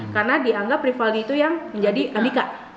karena dianggap rivaldi itu yang menjadi andika